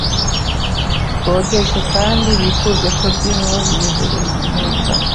bogeze kendi bifuze ko byehore biberenge,